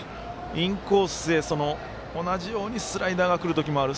インコースへ同じようにスライダーがくる時もある。